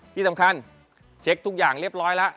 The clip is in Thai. ที่สำคัญเช็คทุกอย่างเรียบร้อยแล้ว